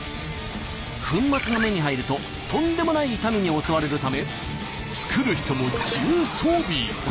粉末が目に入るととんでもない痛みに襲われるため作る人も重装備。